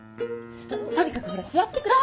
とにかくほら座って下さい。